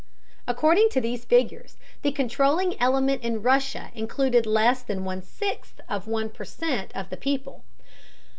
According to these figures, the controlling element in Russia included less than one sixth of one per cent of the people.